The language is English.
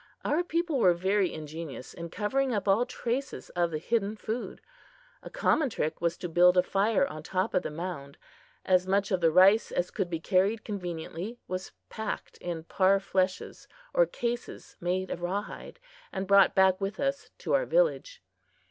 Our people were very ingenious in covering up all traces of the hidden food. A common trick was to build a fire on top of the mound. As much of the rice as could be carried conveniently was packed in par fleches, or cases made of rawhide, and brought back with us to our village.